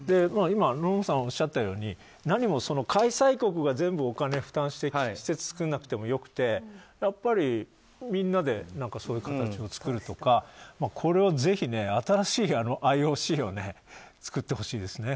今、野々村さんがおっしゃったように何も、開催国が全部、お金を負担して施設を造らなくてもよくてやっぱりみんなでそういう形を作るとかこれはぜひ新しいＩＯＣを作ってほしいです。